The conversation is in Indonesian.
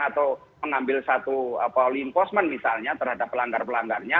atau mengambil satu linforcement misalnya terhadap pelanggar pelanggarnya